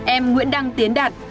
em nguyễn đăng tiến đạt